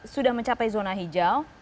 sudah mencapai zona hijau